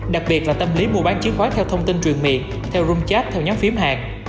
đặc biệt là tâm lý mua bán chứng khoán theo thông tin truyền miệng theo rum chat theo nhóm phim hàng